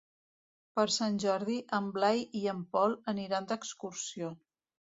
Per Sant Jordi en Blai i en Pol aniran d'excursió.